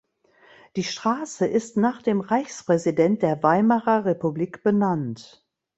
Die Straße ist nach dem Reichspräsident der Weimarer Republik benannt.